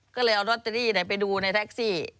ก็เลยเอาลอตเตอรี่ไปดูในแท็กซี่